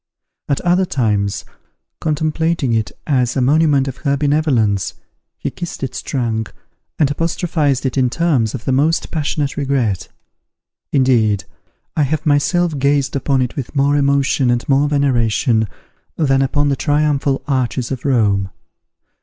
At other times, contemplating it as a monument of her benevolence, he kissed its trunk, and apostrophized it in terms of the most passionate regret. Indeed, I have myself gazed upon it with more emotion and more veneration than upon the triumphal arches of Rome.